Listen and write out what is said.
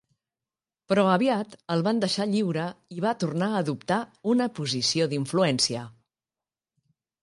Però aviat el van deixar lliure i va tornar a adoptar una posició d'influència.